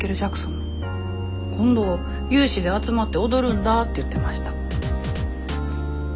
今度有志で集まって踊るんだって言ってました。